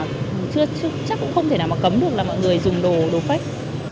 chắc cũng không thể nào mà cấm được là mọi người dùng đồ đồ phách